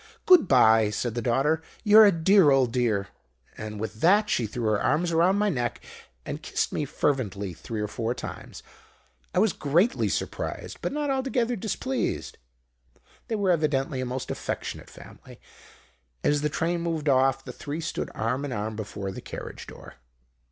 "'Good bye,' said the daughter; 'you're a dear old dear!' "And with that she threw her arms round my neck and kissed me fervently three or four times. I was greatly surprised, but not altogether displeased. "They were evidently a most affectionate family. As the train moved off the three stood arm in arm before the carriage door.